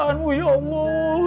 hanya dengan kekuasaanmu ya allah